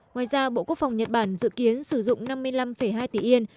ngoài ra bộ quốc phòng nhật bản dự kiến sử dụng năm mươi năm hai tỷ yên